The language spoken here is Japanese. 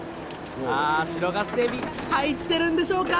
さあ白ガスエビ入ってるんでしょうか！